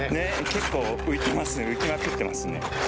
結構浮いてますね浮きまくってますね。